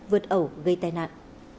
vượt ẩu gây tai nạn